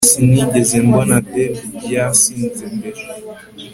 Sinigeze mbona David yasinze mbere